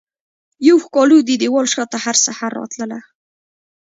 یوه ښکالو ددیوال شاته هرسحر راتلله